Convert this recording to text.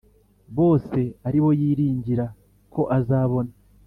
Bose ari bo yiringiraga ko azabona